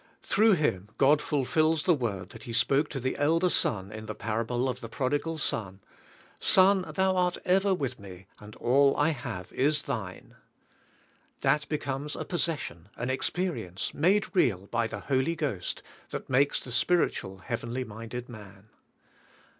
Through Him God ful fills the word that 'He spoke to the elder son in the parable of the prodigal son, "Son, thou art ever with me, and all I have is thine." That becomes a possession, an experience, made real by the Holy Ghost, that makes the spiritual, heavenly minded man.